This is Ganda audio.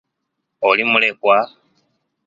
Oli mulekwa?